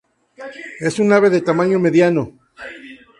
Es un ave de tamaño mediano.